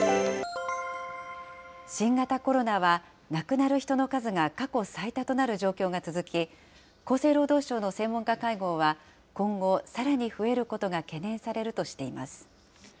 新型コロナは、亡くなる人の数が過去最多となる状況が続き、厚生労働省の専門家会合は、今後、さらに増えることが懸念されるとしています。